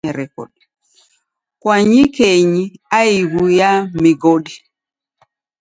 Kwanyikenyi aighu ya mighodi